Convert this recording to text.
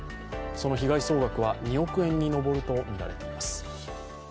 その被害総額は２億円に上るとみられています。